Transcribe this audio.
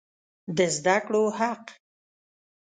د زده کړو حق